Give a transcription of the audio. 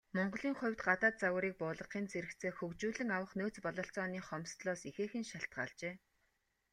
Монголын хувьд, гадаад загварыг буулгахын зэрэгцээ хөгжүүлэн авах нөөц бололцооны хомсдолоос ихээхэн шалтгаалжээ.